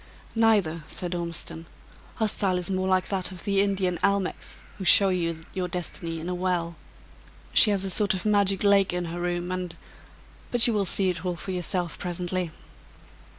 "Neither," said Ormiston, "her style in more like that of the Indian almechs, who show you your destiny in a well. She has a sort of magic lake in her room, and but you will see it all for yourself presently."